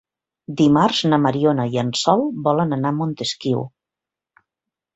Dimarts na Mariona i en Sol volen anar a Montesquiu.